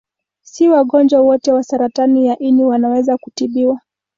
Si wagonjwa wote wa saratani ya ini wanaweza kutibiwa.